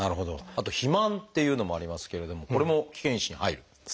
あと肥満っていうのもありますけれどもこれも危険因子に入る？